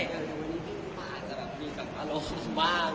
วันนี้พี่อู๋ฟ้าจะมีสังหรับลงบ้าง